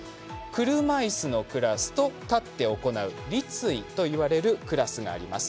車いすのクラスと立って行う立位といわれるクラスがあります。